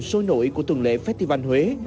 sôi nổi của tuần lễ festival huế